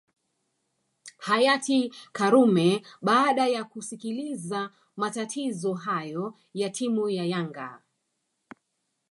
hayati karume baada ya kusikiliza matatizo hayo ya timu ya yanga